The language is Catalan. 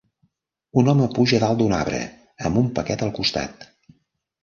Un home puja a dalt d'un arbre amb un paquet al costat.